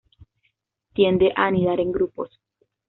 Tiende a anidar en grupos.